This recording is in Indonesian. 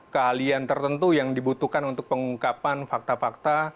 keahlian tertentu yang dibutuhkan untuk pengungkapan fakta fakta